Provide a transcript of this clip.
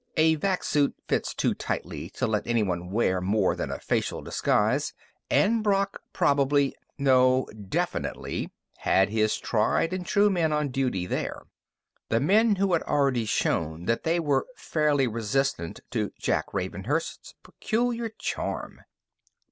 A vac suit fits too tightly to let anyone wear more than a facial disguise, and Brock probably no, definitely had his tried and true men on duty there. The men who had already shown that they were fairly resistant to Jack Ravenhurst's peculiar charm.